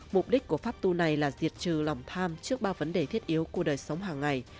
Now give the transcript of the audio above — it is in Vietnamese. mục đích của pháp tu này là diệt trừ lòng tham trước ba vấn đề thiết yếu của đời sống hàng ngày